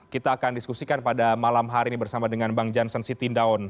kita akan diskusikan pada malam hari ini bersama dengan bang jansan siti ndaon